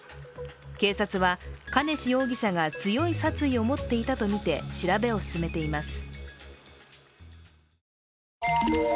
警察は、兼次容疑者が強い殺意を持っていたとみて調べを進めています。